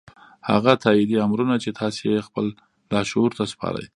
هغه تاييدي امرونه چې تاسې يې خپل لاشعور ته سپارئ.